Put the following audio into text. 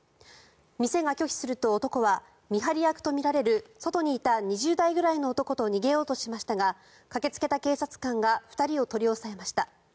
店が拒否すると、男は見張り役とみられる外にいた２０代ぐらいの男と逃げようとしましたが駆けつけた警察官が２人を取り押さえました。